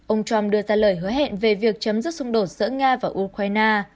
ông trump đưa ra lời hứa hẹn về việc chấm dứt xung đột giữa nga và ukraine